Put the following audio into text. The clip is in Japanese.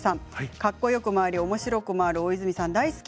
かっこよくもあり、おもしろくもある、大泉さん大好き。